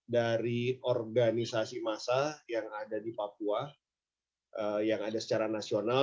dari organisasi massa yang ada di papua yang ada secara nasional